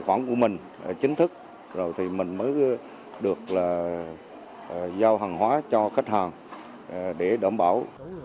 khoản của mình chính thức rồi thì mình mới được là giao hàng hóa cho khách hàng để đảm bảo